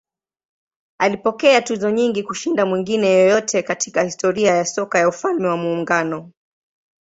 Alipokea tuzo nyingi kushinda mwingine yeyote katika historia ya soka ya Ufalme wa Muungano.